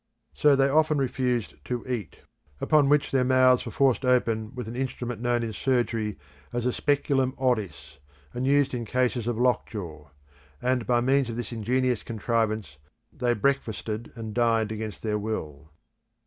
So they often refused to eat; upon which their mouths were forced open with an instrument known in surgery as speculum oris, and used in cases of lockjaw; and by means of this ingenious contrivance they breakfasted and dined against their will.